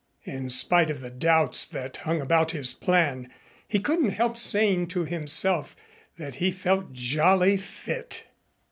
In spite of the doubts that hung about his plan, he couldn't help saying to himself that he felt jolly fit.